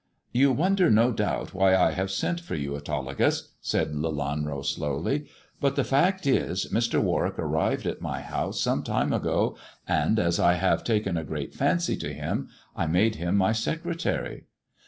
"You wonder no doubt why I have sent for you, Autolycus," said Lelanro slowly; "but the fact is, Mr. Warwick arrived at my house some time ago, and as I have taken a great fancy to him, I made him my secretary."